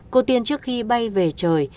cô tiên trước khi bay về trời